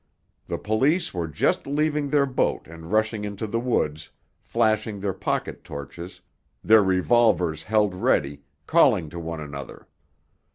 The police were just leaving their boat and rushing into the woods, flashing their pocket torches, their revolvers held ready, calling to one another.